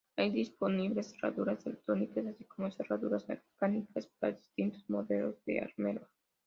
Hay disponibles cerraduras electrónicas así como cerraduras mecánicas para distintos modelos de armeros.